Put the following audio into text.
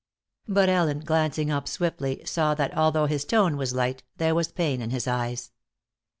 But Ellen, glancing up swiftly, saw that although his tone was light, there was pain in his eyes.